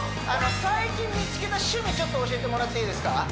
あの最近見つけた趣味ちょっと教えてもらっていいですか？